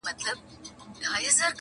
هم لقمان مي ستړی کړی هم اکسیر د حکیمانو!